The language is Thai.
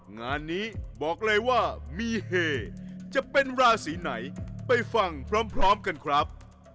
งานนี้บอกเลยว่ามีเฮจะเป็นราศีไหนไปฟังพร้อมกันครับ